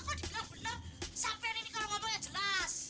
benar benar benar sampai ini kalau ngomongnya jelas